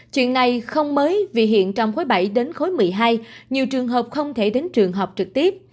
chuyện này không mới vì hiện trong khối bảy đến khối một mươi hai nhiều trường hợp không thể đến trường học trực tiếp